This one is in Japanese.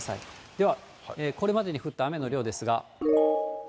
ではこれまでに降った雨の量ですが。